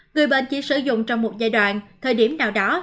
người bệnh chỉ sử dụng trong một giai đoạn thời điểm nào đó